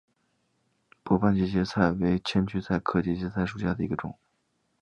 薄瓣节节菜为千屈菜科节节菜属下的一个种。